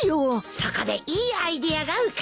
そこでいいアイデアが浮かんだ。